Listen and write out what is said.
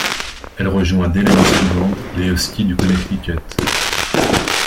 Elle rejoint dès l'année suivante les Huskies du Connecticut.